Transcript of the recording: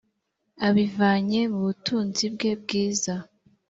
abivanye mu butunzi bwe bwiza